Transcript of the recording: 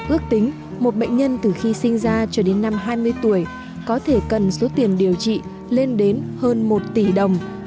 ước tính một bệnh nhân từ khi sinh ra cho đến năm hai mươi tuổi có thể cần số tiền điều trị lên đến hơn một tỷ đồng